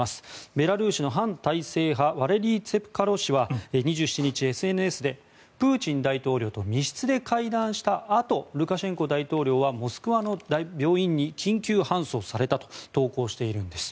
ベラルーシの反体制派ワレリー・ツェプカロ氏は２７日ＳＮＳでプーチン大統領と密室で会談したあとルカシェンコ大統領はモスクワの病院に緊急搬送されたと投稿しているんです。